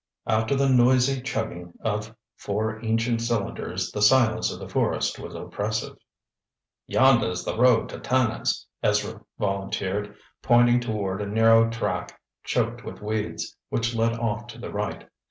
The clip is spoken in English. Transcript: After the noisy chugging of four ancient cylinders the silence of the forest was oppressive. "Yonder's the road to Turner's," Ezra volunteered, pointing toward a narrow track, choked with weeds, which led off to the right.